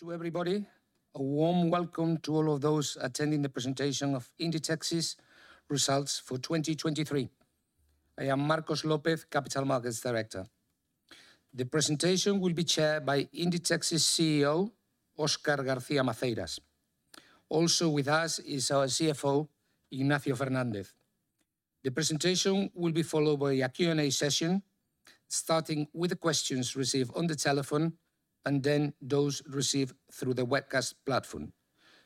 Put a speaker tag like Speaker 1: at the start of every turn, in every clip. Speaker 1: To everybody, a warm welcome to all of those attending the presentation of Inditex's results for 2023. I am Marcos López, Capital Markets Director. The presentation will be chaired by Inditex's CEO, Óscar García Maceiras. Also with us is our CFO, Ignacio Fernández. The presentation will be followed by a Q&A session, starting with the questions received on the telephone and then those received through the webcast platform.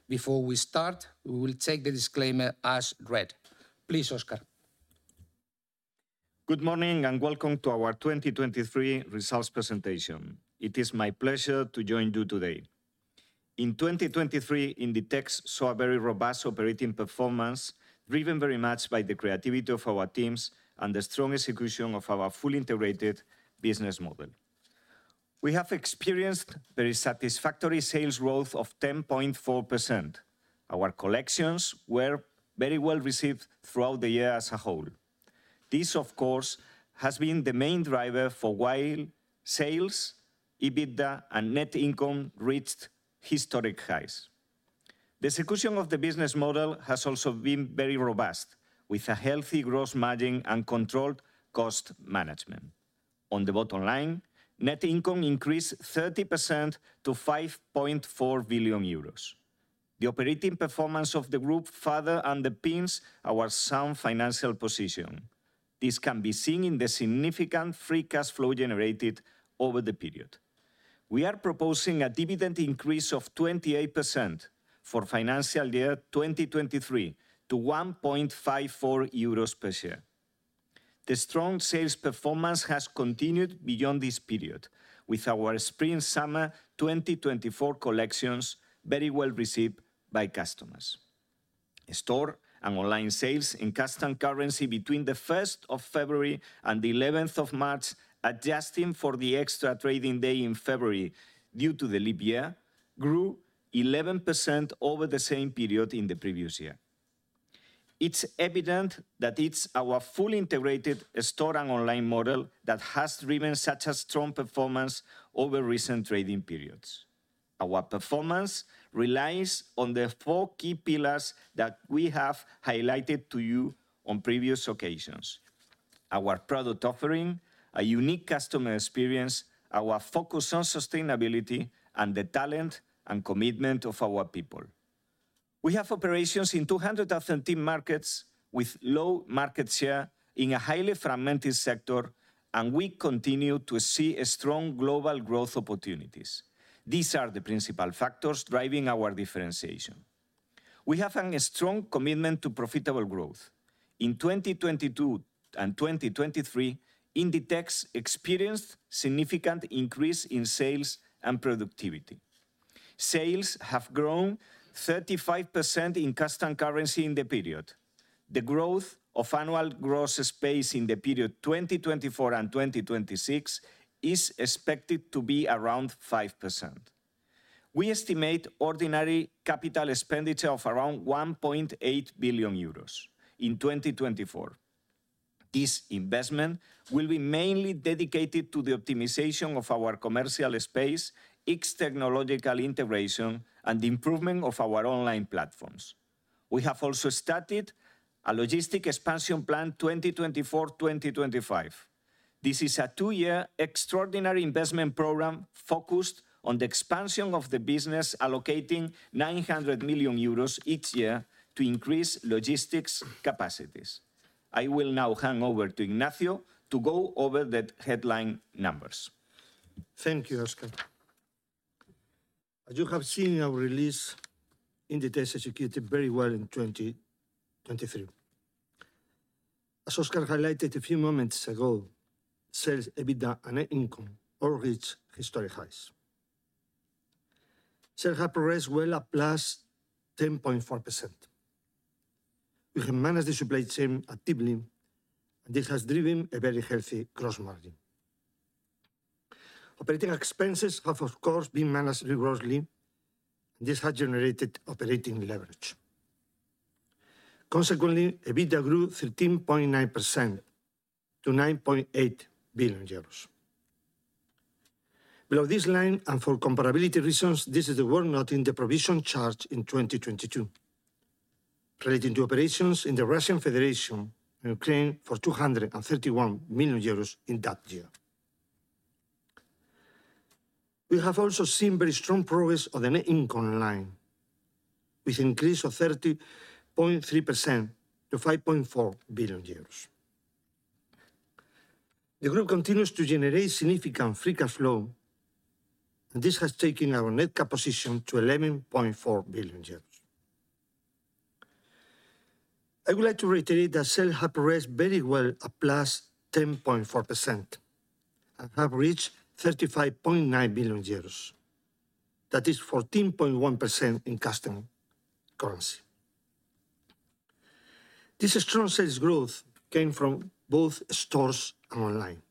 Speaker 1: Before we start, we will take the disclaimer as read. Please, Oscar.
Speaker 2: Good morning, and welcome to our 2023 results presentation. It is my pleasure to join you today. In 2023, Inditex saw a very robust operating performance, driven very much by the creativity of our teams and the strong execution of our fully integrated business model. We have experienced very satisfactory sales growth of 10.4%. Our collections were very well received throughout the year as a whole. This, of course, has been the main driver for why sales, EBITDA, and net income reached historic highs. The execution of the business model has also been very robust, with a healthy gross margin and controlled cost management. On the bottom line, net income increased 30% to 5.4 billion euros. The operating performance of the group further underpins our sound financial position. This can be seen in the significant free cash flow generated over the period. We are proposing a dividend increase of 28% for financial year 2023 to 1.54 euros per share. The strong sales performance has continued beyond this period, with our spring/summer 2024 collections very well received by customers. Store and online sales in constant currency between the first of February and the eleventh of March, adjusting for the extra trading day in February due to the leap year, grew 11% over the same period in the previous year. It's evident that it's our fully integrated store and online model that has driven such a strong performance over recent trading periods. Our performance relies on the four key pillars that we have highlighted to you on previous occasions: our product offering, a unique customer experience, our focus on sustainability, and the talent and commitment of our people. We have operations in 217 markets with low market share in a highly fragmented sector, and we continue to see a strong global growth opportunities. These are the principal factors driving our differentiation. We have a strong commitment to profitable growth. In 2022 and 2023, Inditex experienced significant increase in sales and productivity. Sales have grown 35% in constant currency in the period. The growth of annual gross space in the period 2024 and 2026 is expected to be around 5%. We estimate ordinary capital expenditure of around 1.8 billion euros in 2024. This investment will be mainly dedicated to the optimization of our commercial space, its technological integration, and the improvement of our online platforms. We have also started a logistic expansion plan, 2024, 2025. This is a two-year extraordinary investment program focused on the expansion of the business, allocating 900 million euros each year to increase logistics capacities. I will now hand over to Ignacio to go over the headline numbers.
Speaker 1: Thank you, Óscar. As you have seen in our release, Inditex executed very well in 2023. As Óscar highlighted a few moments ago, sales, EBITDA, and net income all reached historic highs. Sales have progressed well, at +10.4%. We have managed the supply chain actively, and this has driven a very healthy gross margin. Operating expenses have, of course, been managed rigorously, and this has generated operating leverage. Consequently, EBITDA grew 13.9% to EUR 9.8 billion. Below this line, and for comparability reasons, this is worth noting the provision charge in 2022, relating to operations in the Russian Federation and Ukraine for 231 million euros in that year. We have also seen very strong progress on the net income line, with an increase of 30.3% to 5.4 billion euros. The group continues to generate significant free cash flow, and this has taken our net cash position to 11.4 billion euros. I would like to reiterate that sales have progressed very well, at +10.4%, and have reached 35.9 billion euros. That is 14.1% in constant currency. This strong sales growth came from both stores and online.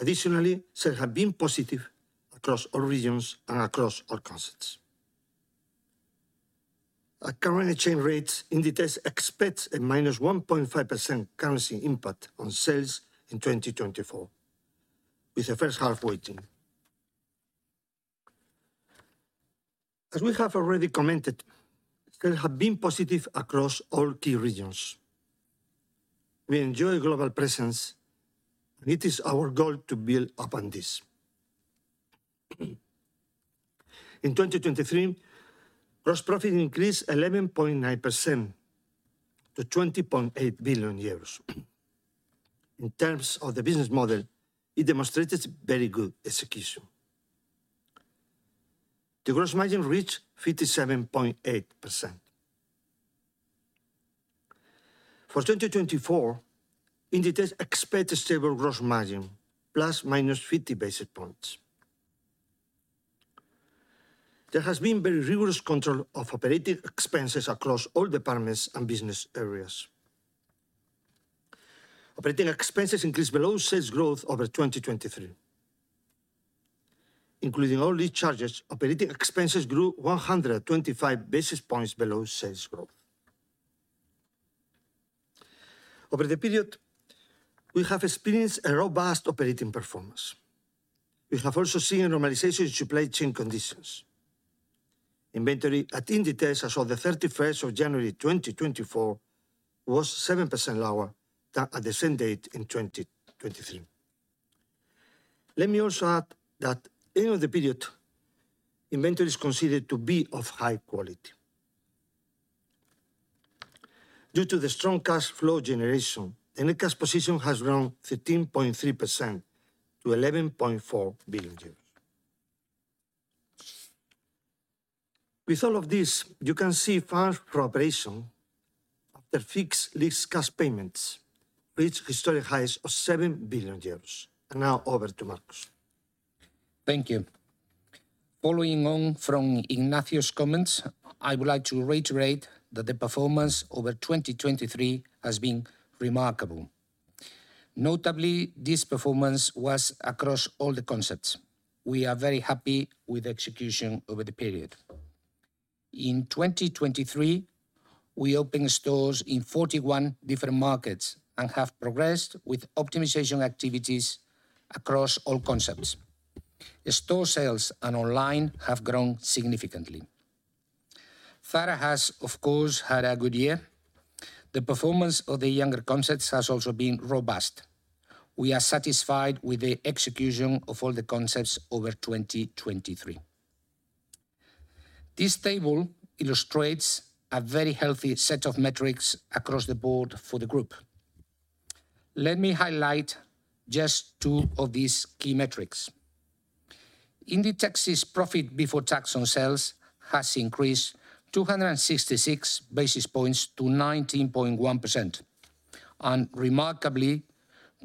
Speaker 1: Additionally, sales have been positive across all regions and across all concepts. At current exchange rates, Inditex expects a -1.5% currency impact on sales in 2024, with the first half weighted. As we have already commented, sales have been positive across all key regions. We enjoy global presence, and it is our goal to build upon this. In 2023, gross profit increased 11.9% to 20.8 billion. In terms of the business model, it demonstrated very good execution. The gross margin reached 57.8%. For 2024, Inditex expects stable gross margin, ±50 basis points. There has been very rigorous control of operating expenses across all departments and business areas. Operating expenses increased below sales growth over 2023. Including all these charges, operating expenses grew 125 basis points below sales growth. Over the period, we have experienced a robust operating performance. We have also seen a normalization in supply chain conditions. Inventory at Inditex as of the 31st of January, 2024, was 7% lower than at the same date in 2023. Let me also add that end of the period, inventory is considered to be of high quality. Due to the strong cash flow generation, net cash position has grown 13.3% to 11.4 billion euros. With all of this, you can see funds from operations after fixed lease cash payments reached historic highs of 7 billion euros. Now over to Marcos.
Speaker 3: Thank you. Following on from Ignacio's comments, I would like to reiterate that the performance over 2023 has been remarkable. Notably, this performance was across all the concepts. We are very happy with the execution over the period. In 2023, we opened stores in 41 different markets and have progressed with optimization activities across all concepts. The store sales and online have grown significantly. Zara has, of course, had a good year. The performance of the younger concepts has also been robust. We are satisfied with the execution of all the concepts over 2023. This table illustrates a very healthy set of metrics across the board for the group. Let me highlight just two of these key metrics. Inditex's profit before tax on sales has increased 266 basis points to 19.1%, and remarkably,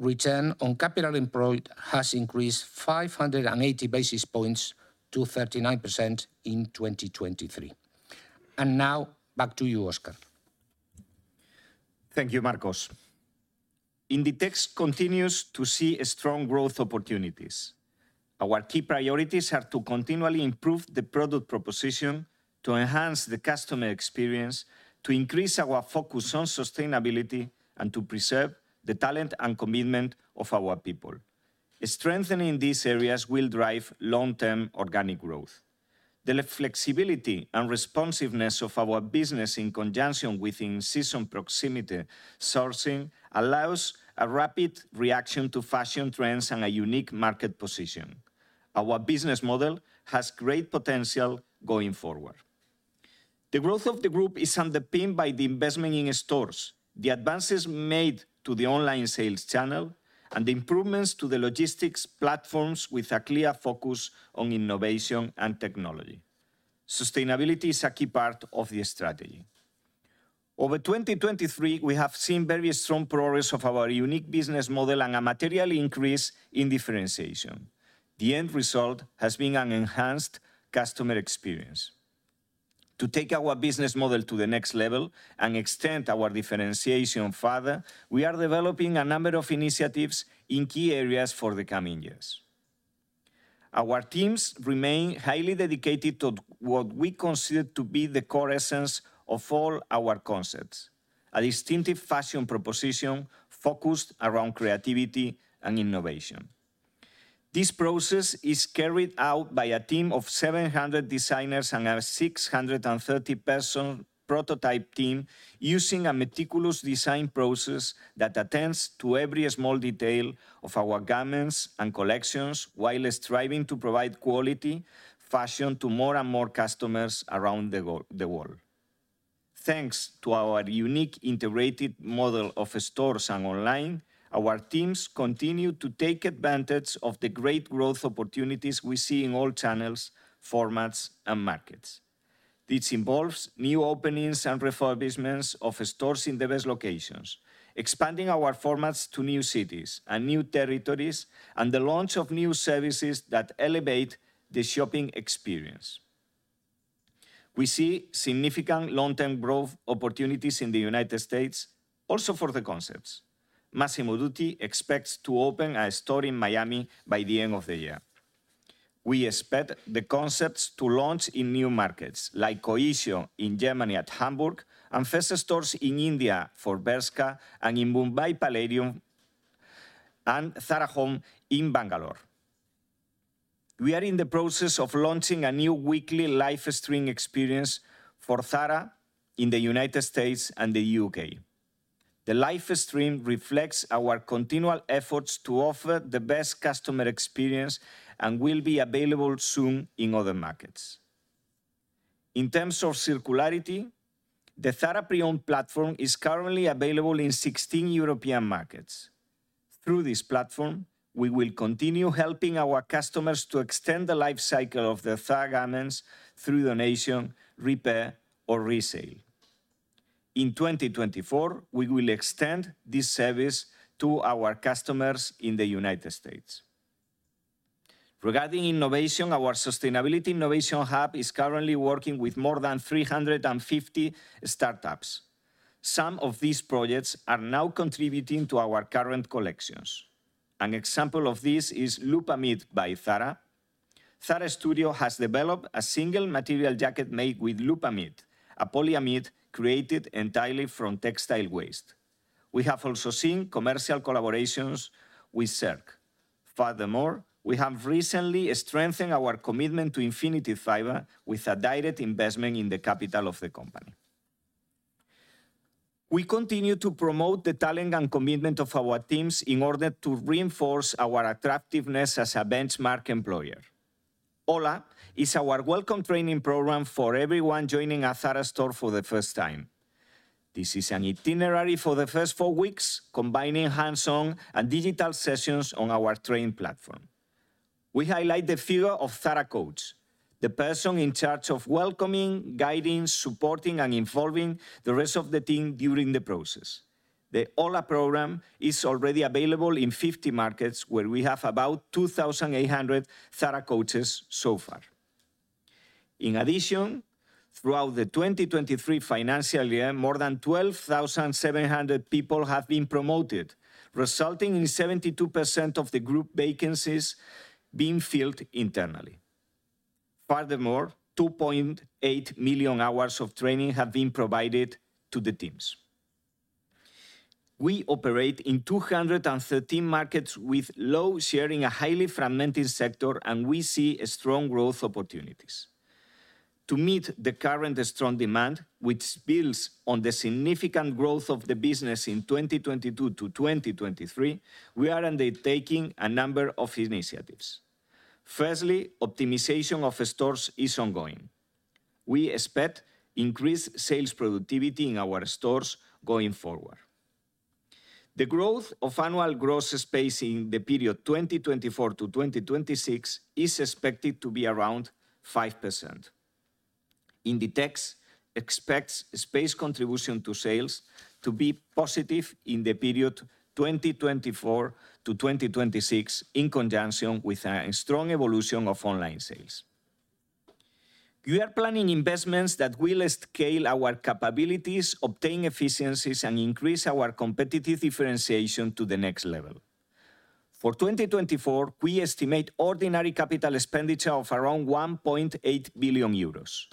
Speaker 3: return on capital employed has increased 580 basis points to 39% in 2023. Now, back to you, Oscar.
Speaker 2: Thank you, Marcos. Inditex continues to see strong growth opportunities. Our key priorities are to continually improve the product proposition, to enhance the customer experience, to increase our focus on sustainability, and to preserve the talent and commitment of our people. Strengthening these areas will drive long-term organic growth. The flexibility and responsiveness of our business, in conjunction with in-season proximity sourcing, allows a rapid reaction to fashion trends and a unique market position. Our business model has great potential going forward. The growth of the group is underpinned by the investment in stores, the advances made to the online sales channel, and the improvements to the logistics platforms, with a clear focus on innovation and technology. Sustainability is a key part of the strategy. Over 2023, we have seen very strong progress of our unique business model and a material increase in differentiation. The end result has been an enhanced customer experience. To take our business model to the next level and extend our differentiation further, we are developing a number of initiatives in key areas for the coming years. Our teams remain highly dedicated to what we consider to be the core essence of all our concepts, a distinctive fashion proposition focused around creativity and innovation. This process is carried out by a team of 700 designers and a 630-person prototype team, using a meticulous design process that attends to every small detail of our garments and collections, while striving to provide quality fashion to more and more customers around the world. Thanks to our unique integrated model of stores and online, our teams continue to take advantage of the great growth opportunities we see in all channels, formats, and markets. This involves new openings and refurbishments of stores in the best locations, expanding our formats to new cities and new territories, and the launch of new services that elevate the shopping experience. We see significant long-term growth opportunities in the United States, also for the concepts. Massimo Dutti expects to open a store in Miami by the end of the year. We expect the concepts to launch in new markets, like Oysho in Germany at Hamburg, and first stores in India for Bershka and in Mumbai Palladium, and Zara Home in Bangalore. We are in the process of launching a new weekly live stream experience for Zara in the United States and the U.K. The live stream reflects our continual efforts to offer the best customer experience and will be available soon in other markets. In terms of circularity, the Zara Pre-Owned platform is currently available in 16 European markets. Through this platform, we will continue helping our customers to extend the life cycle of their Zara garments through donation, repair, or resale. In 2024, we will extend this service to our customers in the United States. Regarding innovation, our Sustainability Innovation Hub is currently working with more than 350 startups. Some of these projects are now contributing to our current collections. An example of this is Loopamid by Zara. Zara Studio has developed a single material jacket made with Loopamid, a polyamide created entirely from textile waste. We have also seen commercial collaborations with Circora. Furthermore, we have recently strengthened our commitment to Infinited Fiber with a direct investment in the capital of the company. We continue to promote the talent and commitment of our teams in order to reinforce our attractiveness as a benchmark employer. Hola! is our welcome training program for everyone joining a Zara store for the first time. This is an itinerary for the first four weeks, combining hands-on and digital sessions on our training platform. We highlight the figure of Zara coach, the person in charge of welcoming, guiding, supporting, and involving the rest of the team during the process. The Hola! program is already available in 50 markets, where we have about 2,800 Zara coaches so far. In addition, throughout the 2023 financial year, more than 12,700 people have been promoted, resulting in 72% of the group vacancies being filled internally. Furthermore, 2.8 million hours of training have been provided to the teams. We operate in 213 markets with low sharing, a highly fragmented sector, and we see a strong growth opportunities. To meet the current strong demand, which builds on the significant growth of the business in 2022-2023, we are undertaking a number of initiatives. Firstly, optimization of stores is ongoing. We expect increased sales productivity in our stores going forward. The growth of annual gross space in the period 2024-2026 is expected to be around 5%. Inditex expects space contribution to sales to be positive in the period 2024-2026, in conjunction with a strong evolution of online sales. We are planning investments that will scale our capabilities, obtain efficiencies, and increase our competitive differentiation to the next level. For 2024, we estimate ordinary capital expenditure of around 1.8 billion euros.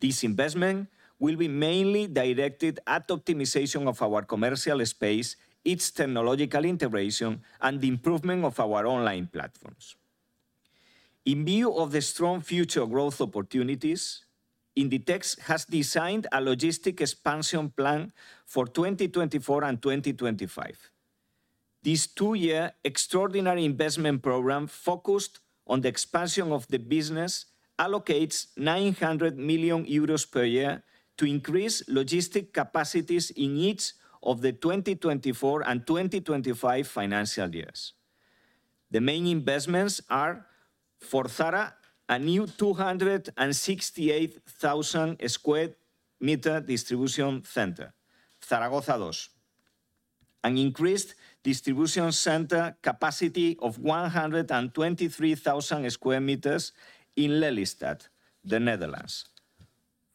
Speaker 2: This investment will be mainly directed at optimization of our commercial space, its technological integration, and the improvement of our online platforms. In view of the strong future growth opportunities, Inditex has designed a logistic expansion plan for 2024 and 2025. This two-year extraordinary investment program, focused on the expansion of the business, allocates 900 million euros per year to increase logistic capacities in each of the 2024 and 2025 financial years. The main investments are for Zara, a new 268,000 square meter distribution center, Zaragoza Dos, an increased distribution center capacity of 123,000 square meters in Lelystad, the Netherlands.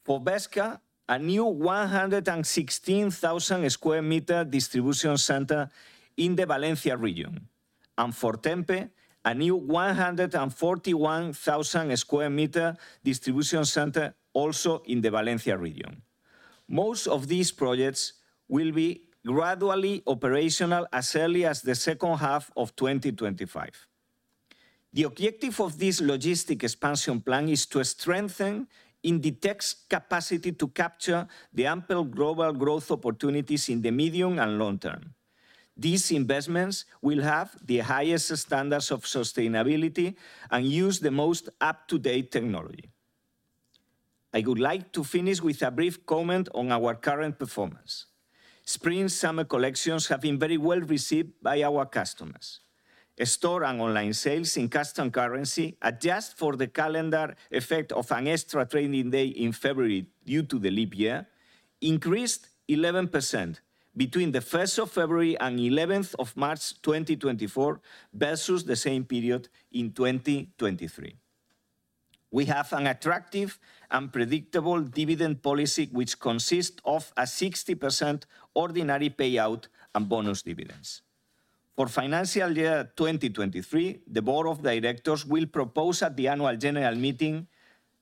Speaker 2: For Bershka, a new 116,000 square meter distribution center in the Valencia region, and for Tempe, a new 141,000 square meter distribution center, also in the Valencia region. Most of these projects will be gradually operational as early as the second half of 2025. The objective of this logistic expansion plan is to strengthen Inditex capacity to capture the ample global growth opportunities in the medium and long term. These investments will have the highest standards of sustainability and use the most up-to-date technology. I would like to finish with a brief comment on our current performance. Spring/summer collections have been very well received by our customers. Store and online sales in constant currency, adjusted for the calendar effect of an extra trading day in February due to the leap year, increased 11% between the first of February and eleventh of March 2024, versus the same period in 2023... We have an attractive and predictable dividend policy which consists of a 60% ordinary payout and bonus dividends. For financial year 2023, the board of directors will propose at the annual general meeting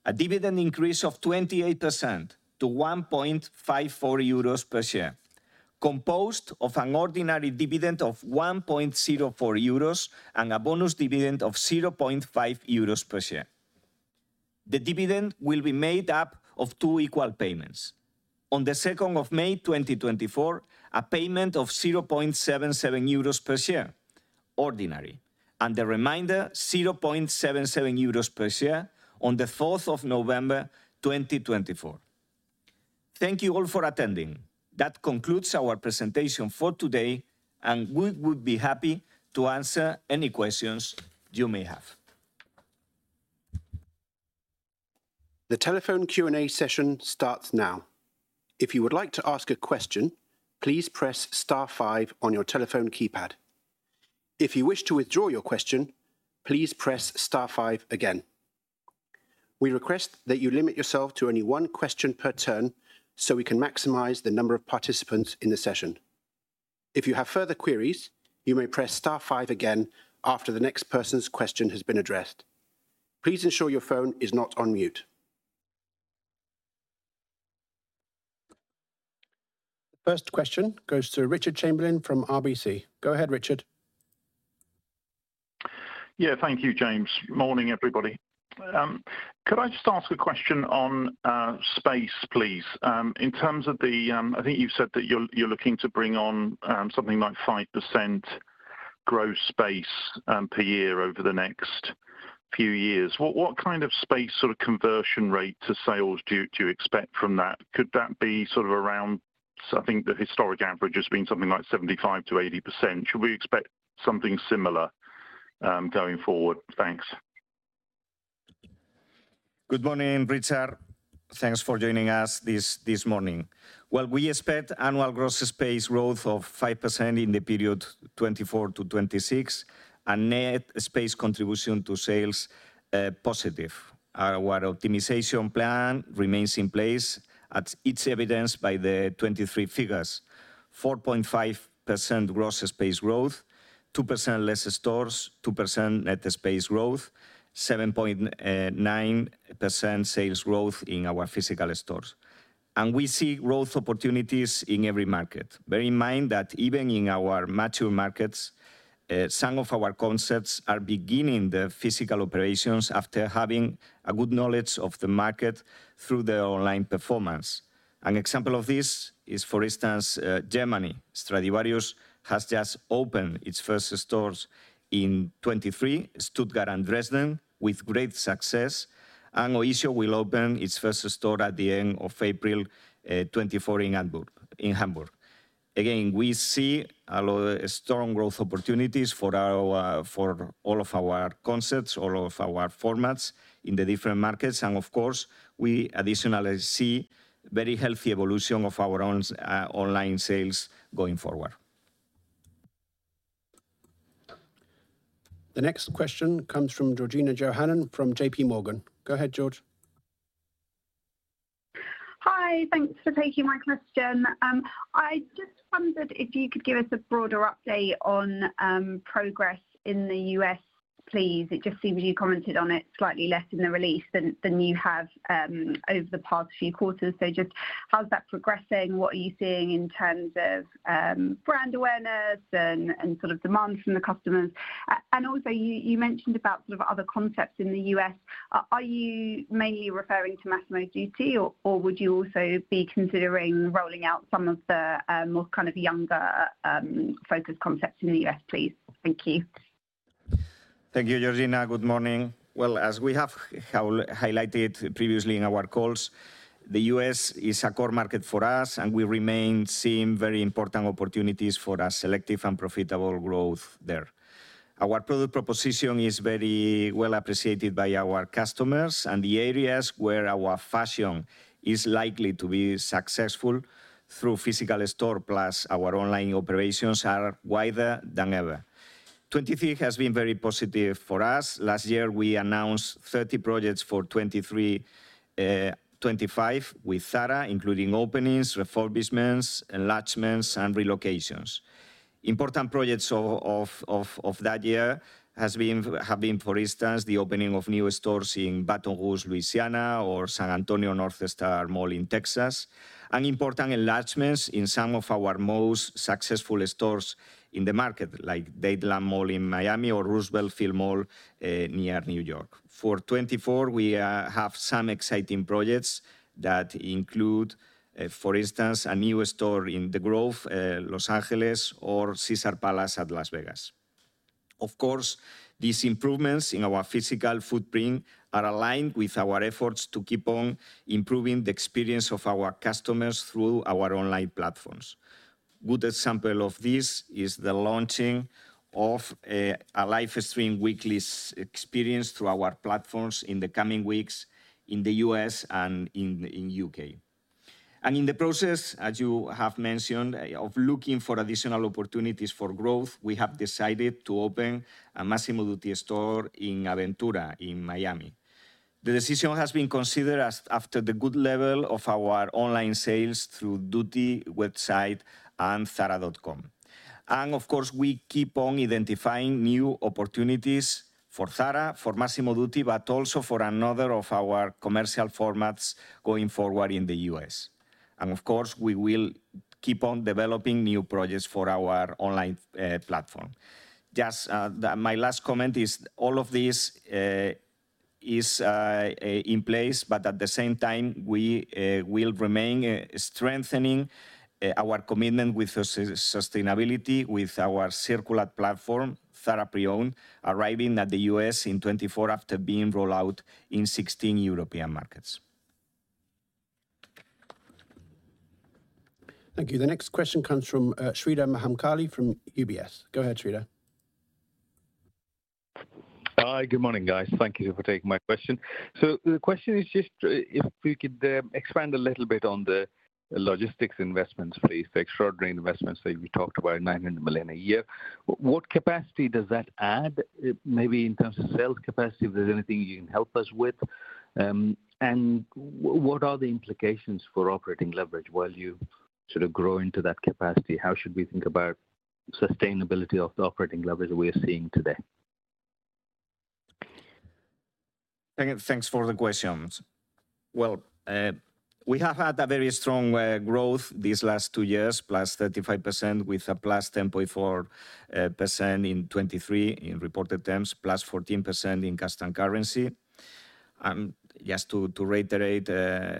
Speaker 2: a dividend increase of 28% to 1.54 euros per share, composed of an ordinary dividend of 1.04 euros and a bonus dividend of 0.5 euros per share. The dividend will be made up of two equal payments. On the 2nd of May, 2024, a payment of 0.77 euros per share ordinary, and the remainder, 0.77 euros per share on the 4th of November, 2024. Thank you all for attending. That concludes our presentation for today, and we would be happy to answer any questions you may have.
Speaker 4: The telephone Q&A session starts now. If you would like to ask a question, please press star five on your telephone keypad. If you wish to withdraw your question, please press star five again. We request that you limit yourself to only one question per turn so we can maximize the number of participants in the session. If you have further queries, you may press star five again after the next person's question has been addressed. Please ensure your phone is not on mute. First question goes to Richard Chamberlain from RBC. Go ahead, Richard.
Speaker 5: Yeah, thank you, James. Morning, everybody. Could I just ask a question on space, please? In terms of the... I think you've said that you're looking to bring on something like 5% gross space per year over the next few years. What kind of space sort of conversion rate to sales do you expect from that? Could that be sort of around, I think the historic average has been something like 75%-80%. Should we expect something similar going forward? Thanks.
Speaker 2: Good morning, Richard. Thanks for joining us this morning. Well, we expect annual gross space growth of 5% in the period 2024-2026, and net space contribution to sales positive. Our optimization plan remains in place as evidenced by the 2023 figures, 4.5% gross space growth, 2% less stores, 2% net space growth, 7.9% sales growth in our physical stores. And we see growth opportunities in every market. Bear in mind that even in our mature markets, some of our concepts are beginning the physical operations after having a good knowledge of the market through the online performance. An example of this is, for instance, Germany. Stradivarius has just opened its first stores in 2023, Stuttgart and Dresden, with great success, and Oysho will open its first store at the end of April 2024 in Hamburg, in Hamburg. Again, we see a lot of strong growth opportunities for our for all of our concepts, all of our formats in the different markets, and of course, we additionally see very healthy evolution of our own online sales going forward.
Speaker 4: The next question comes from Georgina Johanan from JP Morgan. Go ahead, George.
Speaker 6: Hi. Thanks for taking my question. I just wondered if you could give us a broader update on progress in the U.S., please. It just seems you commented on it slightly less in the release than you have over the past few quarters. So just how's that progressing? What are you seeing in terms of brand awareness and sort of demands from the customers? And also, you mentioned about sort of other concepts in the U.S. Are you mainly referring to Massimo Dutti, or would you also be considering rolling out some of the more kind of younger focused concepts in the U.S., please? Thank you.
Speaker 2: Thank you, Georgina. Good morning. Well, as we have highlighted previously in our calls, the U.S. is a core market for us, and we remain seeing very important opportunities for a selective and profitable growth there. Our product proposition is very well appreciated by our customers, and the areas where our fashion is likely to be successful through physical store plus our online operations are wider than ever. 2023 has been very positive for us. Last year, we announced 30 projects for 2023-25 with Zara, including openings, refurbishments, enlargements, and relocations. Important projects of that year have been, for instance, the opening of new stores in Baton Rouge, Louisiana, or San Antonio North Star Mall in Texas, and important enlargements in some of our most successful stores in the market, like Dadeland Mall in Miami or Roosevelt Field Mall near New York. For 2024, we have some exciting projects that include, for instance, a new store in The Grove, Los Angeles, or Caesars Palace at Las Vegas. Of course, these improvements in our physical footprint are aligned with our efforts to keep on improving the experience of our customers through our online platforms. Good example of this is the launching of a live stream weekly shopping experience through our platforms in the coming weeks in the U.S. and U.K. In the process, as you have mentioned, of looking for additional opportunities for growth, we have decided to open a Massimo Dutti store in Aventura, in Miami. The decision has been considered as after the good level of our online sales through Dutti website and zara.com. Of course, we keep on identifying new opportunities for Zara, for Massimo Dutti, but also for another of our commercial formats going forward in the US. Of course, we will keep on developing new projects for our online platform. Just, my last comment is all of this is in place, but at the same time, we will remain strengthening our commitment with sustainability, with our circular platform, Zara Pre-Owned, arriving at the US in 2024 after being rolled out in 16 European markets.
Speaker 4: Thank you. The next question comes from Sreedhar Mahamkali from UBS. Go ahead, Sreedhar.
Speaker 7: Hi, good morning, guys. Thank you for taking my question. So the question is just, if you could, expand a little bit on the logistics investments, please, the extraordinary investments that you talked about, 900 million a year. What capacity does that add, maybe in terms of sales capacity, if there's anything you can help us with? And what are the implications for operating leverage while you sort of grow into that capacity? How should we think about sustainability of the operating leverage we are seeing today?
Speaker 2: Thank you. Thanks for the questions. Well, we have had a very strong growth these last two years, +35%, with a +10.4% in 2023, in reported terms, +14% in constant currency. And just to reiterate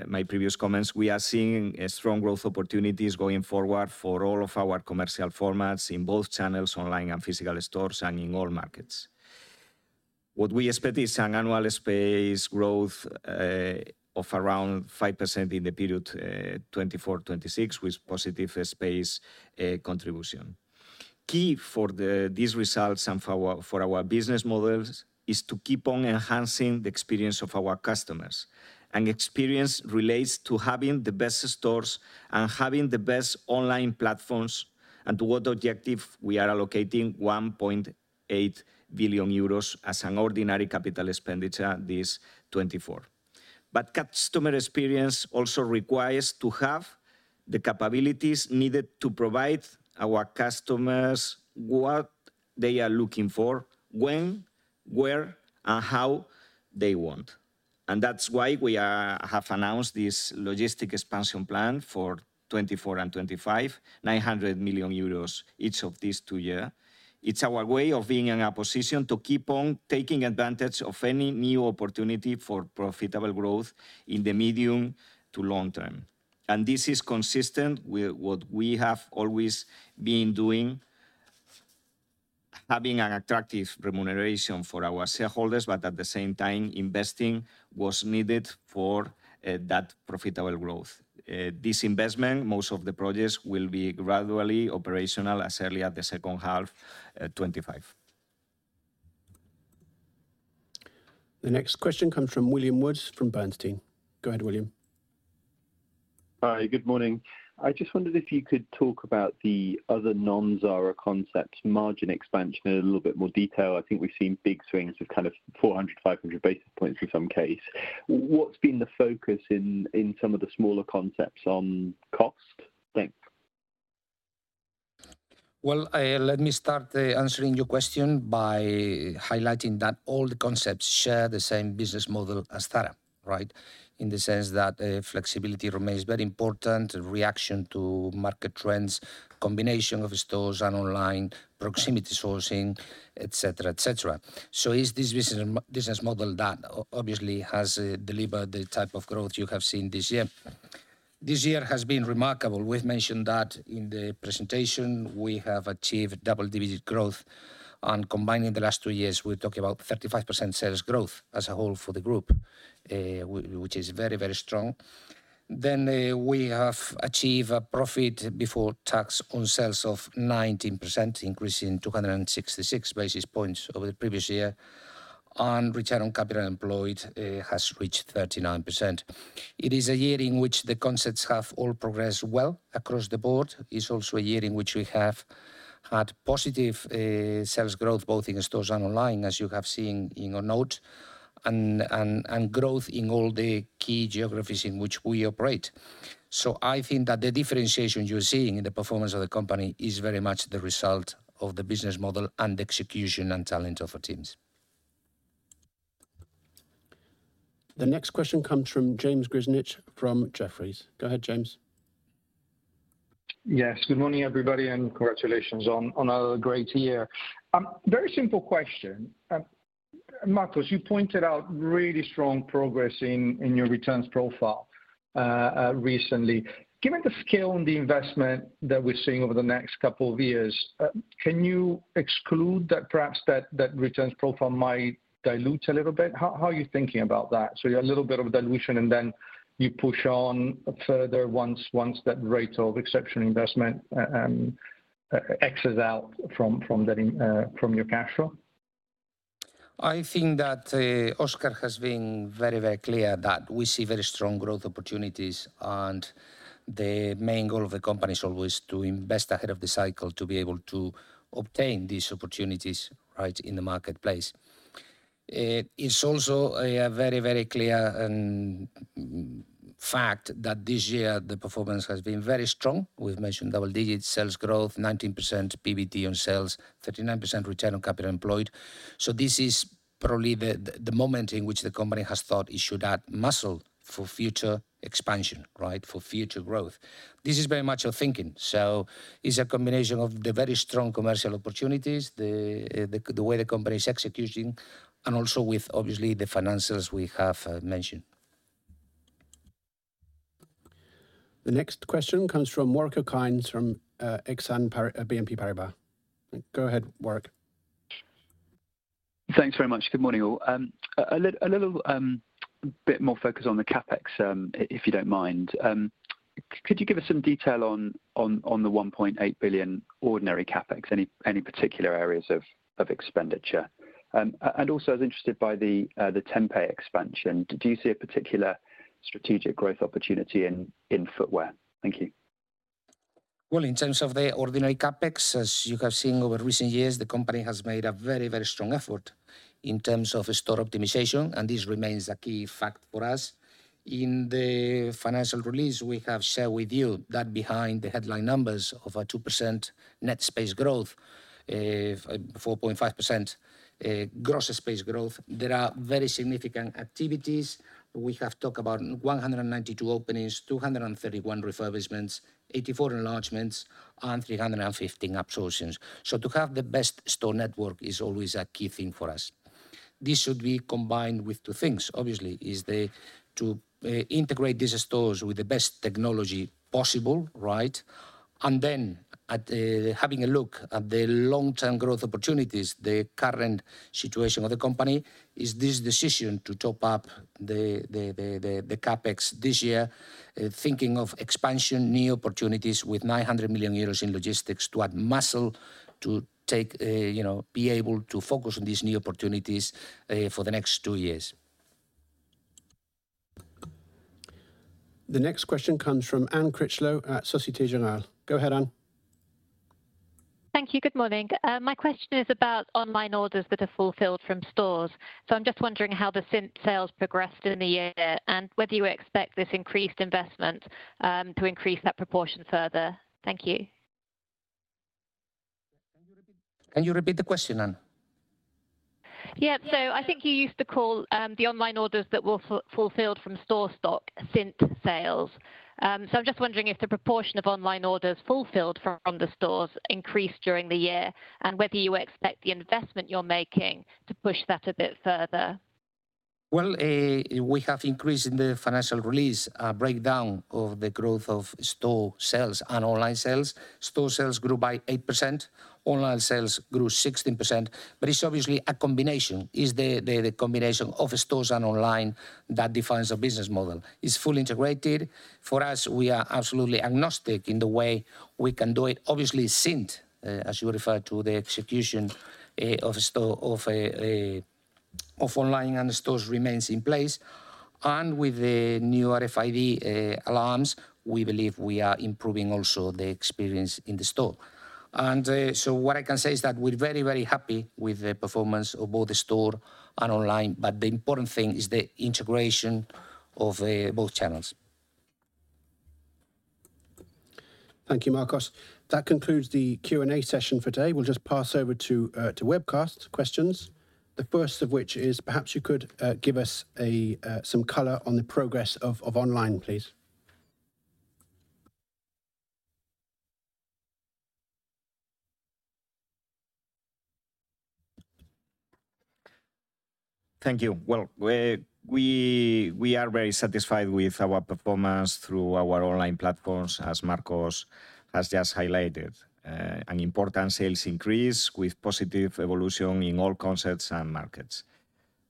Speaker 2: my previous comments, we are seeing strong growth opportunities going forward for all of our commercial formats in both channels, online and physical stores, and in all markets. What we expect is an annual space growth of around 5% in the period 2024-2026, with positive space contribution. Key for these results and for our business models is to keep on enhancing the experience of our customers. Experience relates to having the best stores and having the best online platforms. Toward that objective, we are allocating 1.8 billion euros as an ordinary capital expenditure this 2024. But customer experience also requires to have the capabilities needed to provide our customers what they are looking for, when, where, and how they want. And that's why we have announced this logistics expansion plan for 2024 and 2025, 900 million euros, each of these two year. It's our way of being in a position to keep on taking advantage of any new opportunity for profitable growth in the medium to long term. This is consistent with what we have always been doing, having an attractive remuneration for our shareholders, but at the same time, investing what's needed for that profitable growth. This investment, most of the projects will be gradually operational as early as the second half, '25.
Speaker 4: The next question comes from William Woods from Bernstein. Go ahead, William.
Speaker 8: Hi, good morning. I just wondered if you could talk about the other non-Zara concepts margin expansion in a little bit more detail. I think we've seen big swings of kind of 400-500 basis points in some case. What's been the focus in some of the smaller concepts on cost? Thanks.
Speaker 2: Well, let me start answering your question by highlighting that all the concepts share the same business model as Zara, right? In the sense that, flexibility remains very important, reaction to market trends, combination of stores and online, proximity sourcing, et cetera, et cetera. So it's this business model that obviously has delivered the type of growth you have seen this year. This year has been remarkable. We've mentioned that in the presentation, we have achieved double-digit growth, and combining the last two years, we're talking about 35% sales growth as a whole for the group, which is very, very strong. Then, we have achieved a profit before tax on sales of 19%, increasing 266 basis points over the previous year, and return on capital employed has reached 39%. It is a year in which the concepts have all progressed well across the board. It's also a year in which we have had positive sales growth, both in stores and online, as you have seen in our note, and growth in all the key geographies in which we operate. So I think that the differentiation you're seeing in the performance of the company is very much the result of the business model and execution and talent of our teams.
Speaker 4: The next question comes from James Grzinic from Jefferies. Go ahead, James.
Speaker 9: Yes, good morning, everybody, and congratulations on, on a great year. Very simple question. Marcos, you pointed out really strong progress in, in your returns profile, recently. Given the scale and the investment that we're seeing over the next couple of years, can you exclude that perhaps that returns profile might dilute a little bit? How, how are you thinking about that? So a little bit of dilution, and then you push on further once, once that rate of exceptional investment exits out from, from the, from your cash flow? ...
Speaker 3: I think that, Óscar has been very, very clear that we see very strong growth opportunities, and the main goal of the company is always to invest ahead of the cycle to be able to obtain these opportunities, right, in the marketplace. It's also a very, very clear fact that this year the performance has been very strong. We've mentioned double-digit sales growth, 19% PBT on sales, 39% return on capital employed. So this is probably the moment in which the company has thought it should add muscle for future expansion, right? For future growth. This is very much our thinking. So it's a combination of the very strong commercial opportunities, the way the company is executing, and also with obviously the financials we have mentioned.
Speaker 4: The next question comes from Warwick Maybank from Exane BNP Paribas. Go ahead, Warwick.
Speaker 10: Thanks very much. Good morning, all. A little bit more focus on the CapEx, if you don't mind. Could you give us some detail on the 1.8 billion ordinary CapEx? Any particular areas of expenditure? And also I was interested by the Tempe expansion. Do you see a particular strategic growth opportunity in footwear? Thank you.
Speaker 3: Well, in terms of the ordinary CapEx, as you have seen over recent years, the company has made a very, very strong effort in terms of store optimization, and this remains a key fact for us. In the financial release, we have shared with you that behind the headline numbers of a 2% net space growth, 4.5% gross space growth, there are very significant activities. We have talked about 192 openings, 231 refurbishments, 84 enlargements, and 315 absorptions. So to have the best store network is always a key thing for us. This should be combined with two things, obviously, to integrate these stores with the best technology possible, right? And then at the... Having a look at the long-term growth opportunities, the current situation of the company is this decision to top up the CapEx this year, thinking of expansion, new opportunities with 900 million euros in logistics to add muscle, to take, you know, be able to focus on these new opportunities, for the next two years.
Speaker 4: The next question comes from Anne Critchlow at Société Générale. Go ahead, Anne.
Speaker 11: Thank you. Good morning. My question is about online orders that are fulfilled from stores. So I'm just wondering how the SINT sales progressed in the year, and whether you expect this increased investment to increase that proportion further. Thank you.
Speaker 3: Can you repeat, can you repeat the question, Anne?
Speaker 11: Yeah. I think you used to call the online orders that were fulfilled from store stock, SINT sales. I'm just wondering if the proportion of online orders fulfilled from the stores increased during the year, and whether you expect the investment you're making to push that a bit further?
Speaker 3: Well, we have increased in the financial release, a breakdown of the growth of store sales and online sales. Store sales grew by 8%, online sales grew 16%, but it's obviously a combination. It's the combination of stores and online that defines our business model. It's fully integrated. For us, we are absolutely agnostic in the way we can do it. Obviously, SINT, as you referred to, the execution of online and the stores remains in place, and with the new RFID alarms, we believe we are improving also the experience in the store. So what I can say is that we're very, very happy with the performance of both the store and online, but the important thing is the integration of both channels.
Speaker 4: Thank you, Marcos. That concludes the Q&A session for today. We'll just pass over to webcast questions. The first of which is perhaps you could give us some color on the progress of online, please.
Speaker 2: Thank you. Well, we are very satisfied with our performance through our online platforms, as Marcos has just highlighted, an important sales increase with positive evolution in all concepts and markets.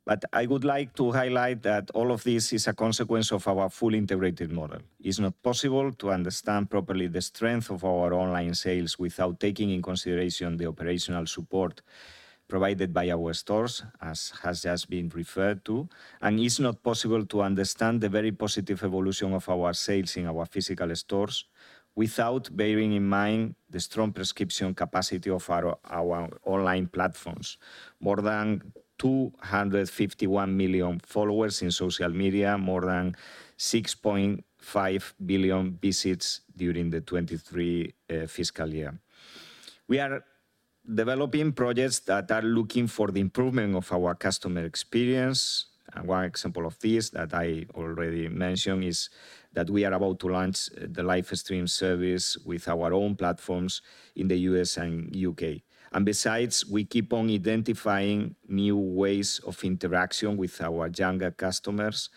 Speaker 2: But I would like to highlight that all of this is a consequence of our fully integrated model. It's not possible to understand properly the strength of our online sales without taking in consideration the operational support provided by our stores, as has just been referred to, and it's not possible to understand the very positive evolution of our sales in our physical stores without bearing in mind the strong prescription capacity of our online platforms. More than 251 million followers in social media, more than 6.5 billion visits during the 2023 fiscal year. We are developing projects that are looking for the improvement of our customer experience. One example of this that I already mentioned, is that we are about to launch the live stream service with our own platforms in the U.S. and U.K. Besides, we keep on identifying new ways of interaction with our younger customers.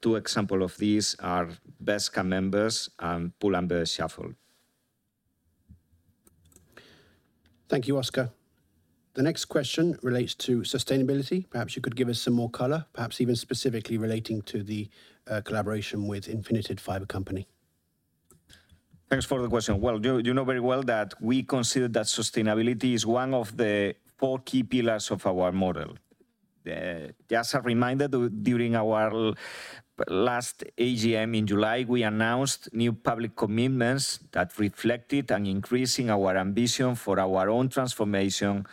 Speaker 2: Two example of these are Bershka Members and Pull&Bear Shuffle.
Speaker 4: Thank you, Óscar. The next question relates to sustainability. Perhaps you could give us some more color, perhaps even specifically relating to the collaboration with Infinited Fiber Company....
Speaker 2: Thanks for the question. Well, you know very well that we consider that sustainability is one of the four key pillars of our model. Just a reminder, during our last AGM in July, we announced new public commitments that reflected an increasing our ambition for our own transformation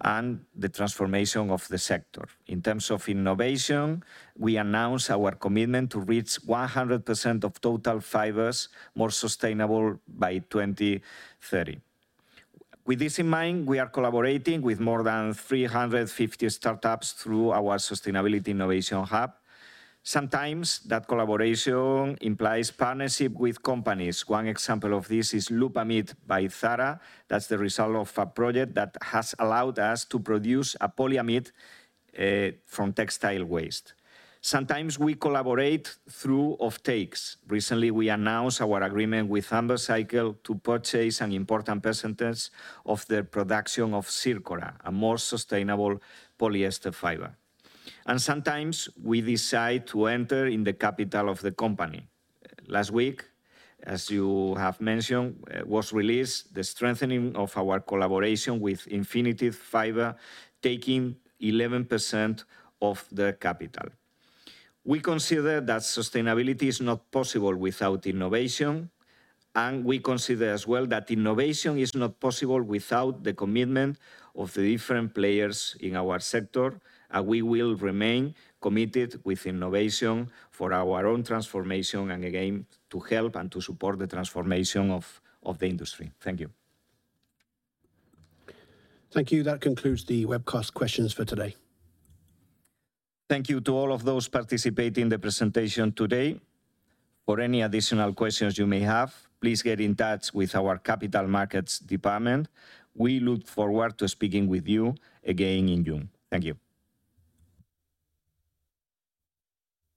Speaker 2: and the transformation of the sector. In terms of innovation, we announced our commitment to reach 100% of total fibers more sustainable by 2030. With this in mind, we are collaborating with more than 350 startups through our sustainability innovation hub. Sometimes that collaboration implies partnership with companies. One example of this is Loopamid by Zara. That's the result of a project that has allowed us to produce a polyamide from textile waste. Sometimes we collaborate through offtakes. Recently, we announced our agreement with Ambercycle to purchase an important percentage of their production of Circora, a more sustainable polyester fiber. And sometimes we decide to enter in the capital of the company. Last week, as you have mentioned, was released the strengthening of our collaboration with Infinited Fiber, taking 11% of the capital. We consider that sustainability is not possible without innovation, and we consider as well that innovation is not possible without the commitment of the different players in our sector, and we will remain committed with innovation for our own transformation and, again, to help and to support the transformation of the industry. Thank you.
Speaker 4: Thank you. That concludes the webcast questions for today.
Speaker 2: Thank you to all of those participating in the presentation today. For any additional questions you may have, please get in touch with our capital markets department. We look forward to speaking with you again in June. Thank you.